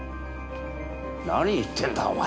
何言ってんだお前。